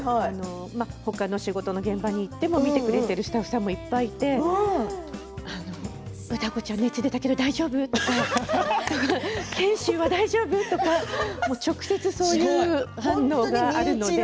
ほかの仕事の現場に行っても見てくれているスタッフさんもいっぱいいて歌子ちゃん熱が出たけど大丈夫？とか賢秀は大丈夫？とか直接そういう反応があるので。